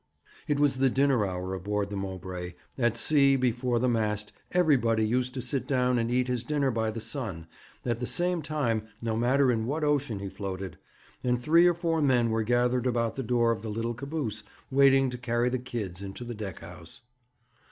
It was the dinner hour aboard the Mowbray at sea, before the mast, everybody used to sit down and eat his dinner by the sun, at the same time, no matter in what ocean he floated and three or four men were gathered about the door of the little caboose, waiting to carry the kids into the deck house.